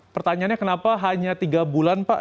pertanyaannya kenapa hanya tiga bulan pak